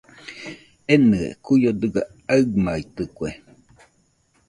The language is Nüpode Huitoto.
Enɨe kuio dɨga aɨmaitɨkue.